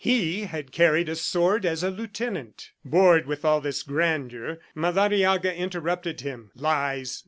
He had carried a sword as a lieutenant. Bored with all this grandeur, Madariaga interrupted him. "Lies